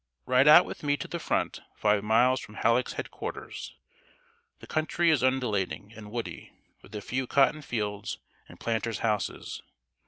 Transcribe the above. Ride out with me to the front, five miles from Halleck's head quarters. The country is undulating and woody, with a few cotton fields and planters' houses.